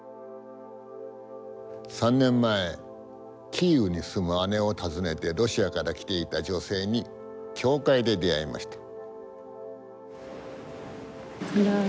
３年前キーウに住む姉を訪ねてロシアから来ていた女性に教会で出会いました。